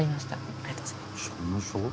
ありがとうございます。